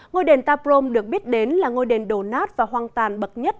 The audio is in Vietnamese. ngôi đền ta prohm được biết đến là ngôi đền đồ nát và hoang tàn bậc nhất